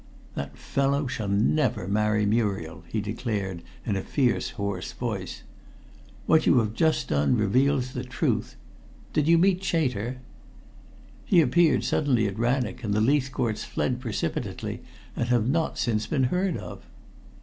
"That fellow shall never marry Muriel," he declared in a fierce, hoarse voice. "What you have just told me reveals the truth. Did you meet Chater?" "He appeared suddenly at Rannoch, and the Leithcourts fled precipitately and have not since been heard of."